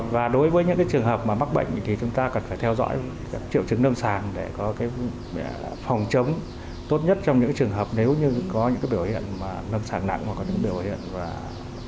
và đối với những cái trường hợp mà mắc bệnh thì chúng ta cần phải theo dõi triệu trứng nâng sàng để có cái phòng chống tốt nhất trong những trường hợp nếu như có những cái biểu hiện nâng sàng nặng hoặc có những biểu hiện biến trứng của cái do bị nhiễm